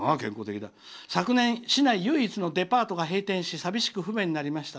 昨年、市内唯一のデパートが閉店し、寂しく不便になりました。